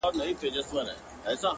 o خوني خنجر نه دى چي څوك يې پـټ كــړي ـ